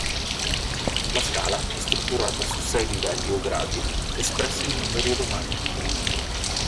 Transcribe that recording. La scala è strutturata su sei livelli o gradi, espressi in numeri romani.